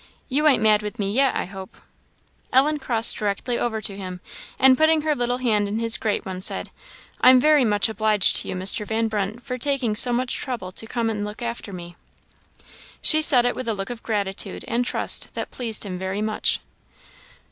You ain't mad with me yet, I hope." Ellen crossed directly over to him, and putting her little hand in his great rough one, said, "I'm very much obliged to you, Mr. Van Brunt, for taking so much trouble to come and look after me." She said it with a look of gratitude and trust that pleased him very much.